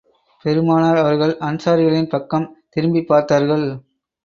பெருமானார் அவர்கள் அன்சாரிகளின் பக்கம் திரும்பிப் பார்த்தார்கள்.